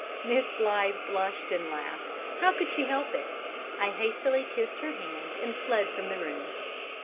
Miss Blythe blushed and laughed. How could she help it? I hastily kissed her hand, and fled from the room.